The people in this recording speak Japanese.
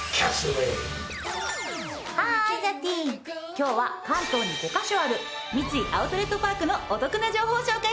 今日は関東に５カ所ある三井アウトレットパークのお得な情報を紹介するわよ。